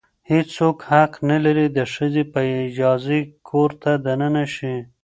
هیڅ څوک حق نه لري د ښځې په اجازې کور ته دننه شي.